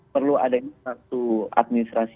perlu ada satu administrasi